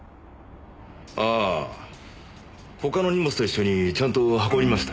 ああ他の荷物と一緒にちゃんと運びました。